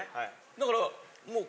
だからもう。